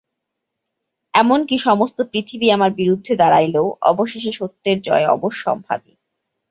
এমন কি সমস্ত পৃথিবী আমার বিরুদ্ধে দাঁড়াইলেও অবশেষে সত্যের জয় অবশ্যম্ভাবী।